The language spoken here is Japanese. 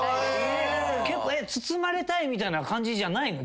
結構包まれたいみたいな感じじゃないの？